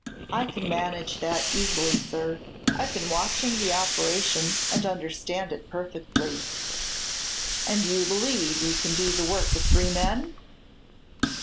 "I can manage that easily, sir. I've been watching the operation and understand it perfectly." "And you believe you can do the work of three men?"